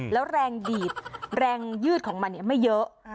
แล้วแรงดีดแรงยืดของมันไม่เยอะ